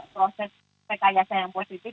proses rekayasa yang positif